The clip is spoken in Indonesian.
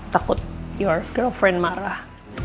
takut your girlfriend marah